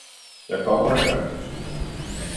- jeg kommer engang.